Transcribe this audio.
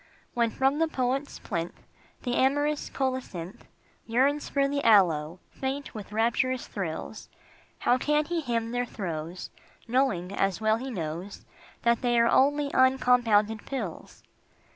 When from the poet's plinth The amorous colocynth Yearns for the aloe, faint with rapturous thrills, How can he hymn their throes Knowing, as well he knows, That they are only uncompounded pills?